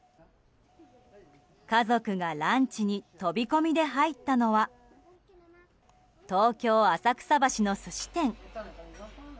家族が、ランチに飛び込みで入ったのは東京・浅草橋の寿司店。